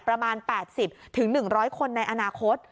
ประมาณ๘๐๑๐๐คนในอนาคต